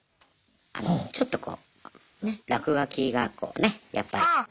あのちょっとこう落書きがこうねやっぱり。